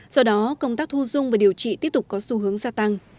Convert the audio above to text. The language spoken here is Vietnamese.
do đó công tác thu dung và điều trị tiếp tục có xu hướng gia tăng